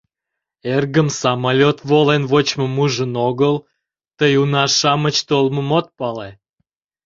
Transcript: — Эргым самолёт волен вочмым ужын огыл, тый уна-шамыч толмым от пале.